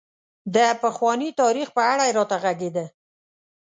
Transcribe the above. د پخواني تاريخ په اړه یې راته غږېده.